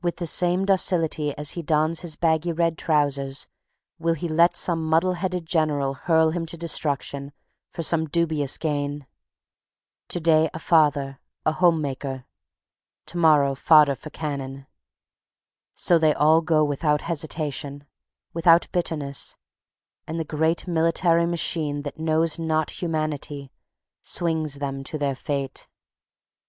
With the same docility as he dons his baggy red trousers will he let some muddle headed General hurl him to destruction for some dubious gain. To day a father, a home maker; to morrow fodder for cannon. So they all go without hesitation, without bitterness; and the great military machine that knows not humanity swings them to their fate.